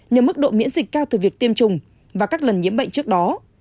nếu mức độ miễn dịch cao từ việc tiêm chủng và các lần nhiễm bệnh trước đó